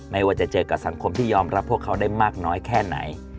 ไม่ว่าจะเจอกับสังคมที่ยอมรับพวกเขาได้มากน้อยแค่ไหน